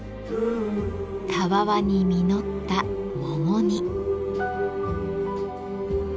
たわわに実った桃に。